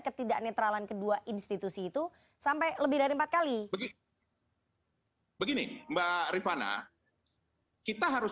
ketidak netral an kedua institusi itu sampai lebih dari kali begini mbak rivan richtig kita harus